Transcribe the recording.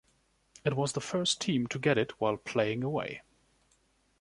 It was the first team to get it while playing away.